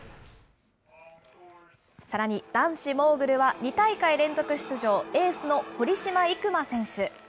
さらに、男子モーグルは２大会連続出場、エースの堀島行真選手。